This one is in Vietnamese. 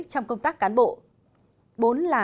trong công tác cán bộ